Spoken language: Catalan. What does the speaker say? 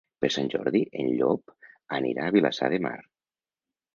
Per Sant Jordi en Llop anirà a Vilassar de Mar.